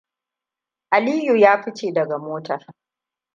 Aliyu ya fice daga motar.